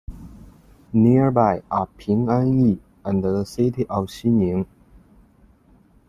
Nearby are Pinganyi and the city of Xining.